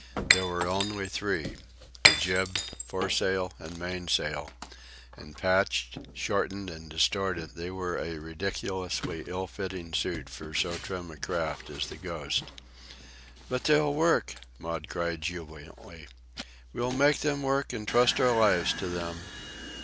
There were only three—the jib, foresail, and mainsail; and, patched, shortened, and distorted, they were a ridiculously ill fitting suit for so trim a craft as the Ghost. "But they'll work!" Maud cried jubilantly. "We'll make them work, and trust our lives to them!"